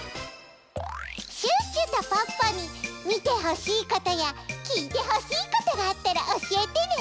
シュッシュとポッポにみてほしいことやきいてほしいことがあったらおしえてね！